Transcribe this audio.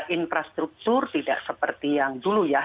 infrastruktur tidak seperti yang dulu ya